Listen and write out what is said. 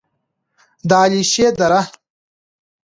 د علیشې دره: